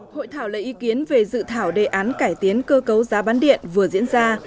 hội thảo lấy ý kiến về dự thảo đề án cải tiến cơ cấu giá bán điện vừa diễn ra